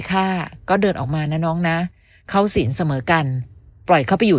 ฆ่าก็เดินออกมานะน้องนะเข้าศีลเสมอกันปล่อยเข้าไปอยู่